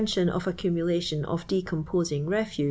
n of accumulation of (l('c<»nip' sin^' refu.".'.